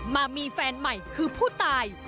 มามีแฟนใหม่คือผู้ตาย